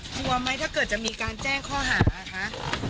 กลัวไหมถ้าเกิดจะมีการแจ้งข้อหาคะ